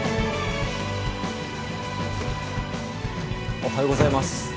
おはようございます。